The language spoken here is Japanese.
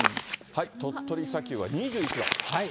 鳥取砂丘は２１度。